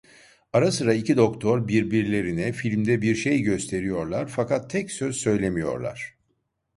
Ara sıra iki doktor birbirlerine filmde bir şey gösteriyorlar, fakat tek söz söylemiyorlar.